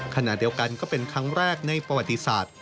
ขณะเดียวกันก็เป็นครั้งแรกในประวัติศาสตร์